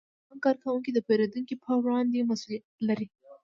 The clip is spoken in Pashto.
د بانک کارکوونکي د پیرودونکو په وړاندې مسئولیت لري.